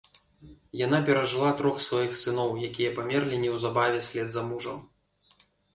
Яна перажыла трох сваіх сыноў, якія памерлі неўзабаве ўслед за мужам.